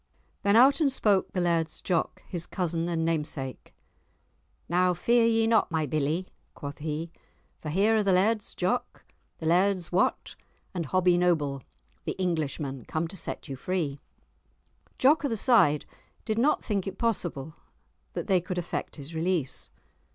Then out and spoke the Laird's Jock, his cousin and namesake, "Now fear ye not, my billie!" quoth he; "for here are the Laird's Jock, the Laird's Wat, and Hobbie Noble the Englishman come to set you free." Jock o' the Side did not think it possible that they could effect his release.